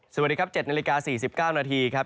สวัสดีครับ๗นาฬิกา๔๙นาทีครับ